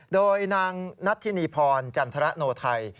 โดยนางนัทธินีพรจันทรโนไทย